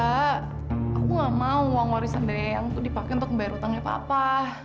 nggak bisa aku nggak mau uang warisan dari iyeng itu dipakai untuk membayar hutangnya papa